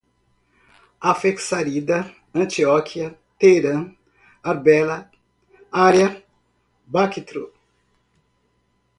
Afexárida, Antioquia, Teerã, Arbela, Ária, Bactro